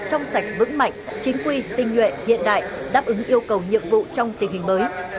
trong sạch vững mạnh chính quy tinh nhuệ hiện đại đáp ứng yêu cầu nhiệm vụ trong tình hình mới